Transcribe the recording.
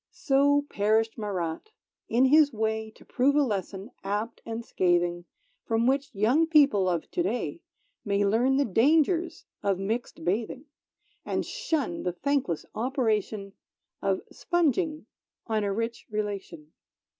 So perished Marat. In his way To prove a lesson, apt and scathing, From which young people of to day May learn the dangers of mixed bathing, And shun the thankless operation Of sponging on a rich relation.